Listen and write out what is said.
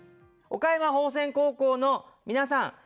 岡山芳泉高校の皆さん